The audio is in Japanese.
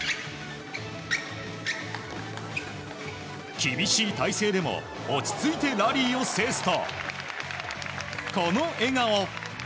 厳しい体勢でも落ち着いてラリーを制すとこの笑顔。